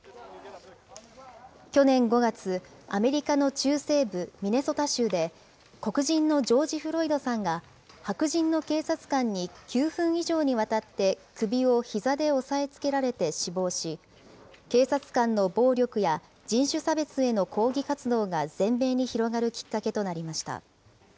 去年５月、アメリカの中西部ミネソタ州で、黒人のジョージ・フロイドさんが、白人の警察官に９分以上にわたって、首をひざで押さえつけられて死亡し、警察官の暴力や人種差別への抗議活動が全米に広がるきっかけとなりました。